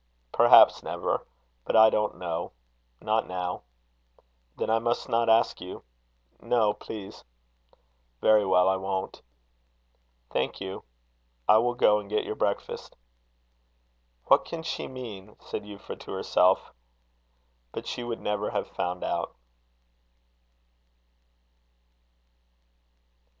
"Perhaps never. But I don't know. Not now." "Then I must not ask you?" "No please." "Very well, I won't." "Thank you. I will go and get your breakfast." "What can she mean?" said Euphra to herself. But she would never have found out.